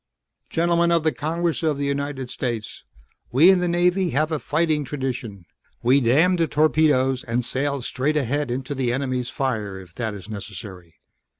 "Gentlemen of the Congress of the United States. We in the Navy have a fighting tradition. We 'damn the torpedoes' and sail straight ahead into the enemy's fire if that is necessary.